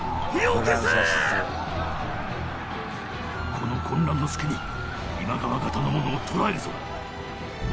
この混乱の隙に今川方の者を捕らえるぞ。